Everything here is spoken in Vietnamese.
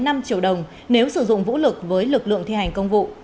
ba đến năm triệu đồng nếu sử dụng vũ lực với lực lượng thi hành công vụ